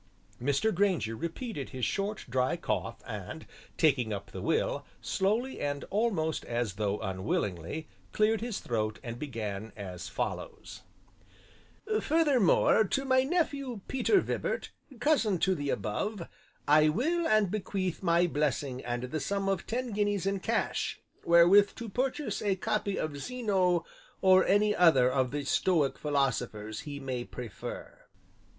Mr. Grainger repeated his short, dry cough and taking up the will, slowly and almost as though unwillingly, cleared his throat and began as follows: "'Furthermore, to my nephew, Peter Vibart, cousin to the above, I will and bequeath my blessing and the sum of ten guineas in cash, wherewith to purchase a copy of Zeno or any other of the stoic philosophers he may prefer.'"